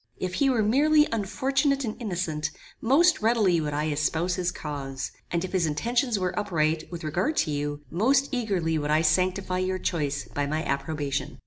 If he were merely unfortunate and innocent, most readily would I espouse his cause; and if his intentions were upright with regard to you, most eagerly would I sanctify your choice by my approbation.